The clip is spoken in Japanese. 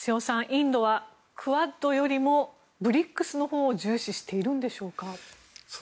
インドはクアッドよりもＢＲＩＣＳのほうを重視しているんでしょうか。